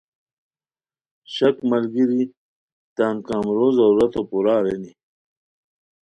شک ملگیر ی تان کم روضرورتو پورا ارینی